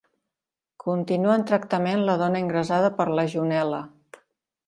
Continua en tractament la dona ingressada per legionel·la